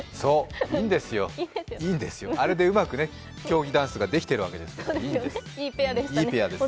いいんですよ、あれでうまく競技ダンスができていますから、いいペアです。